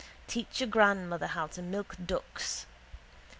Teach your grandmother how to milk ducks.